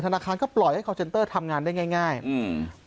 ธนาคารก็ปล่อยให้ทำงานได้ง่ายง่ายอืม